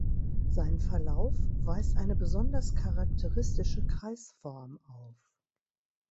Sein Verlauf weist eine besonders charakteristische Kreisform auf.